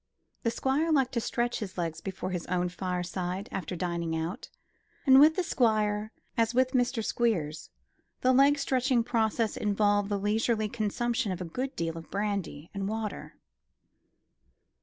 The Squire liked to stretch his legs before his own fireside after dining out; and with the Squire, as with Mr. Squeers, the leg stretching process involved the leisurely consumption of a good deal of brandy and water.